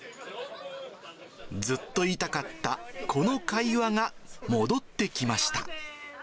ずっと言いたかったこの会話が戻ってきました。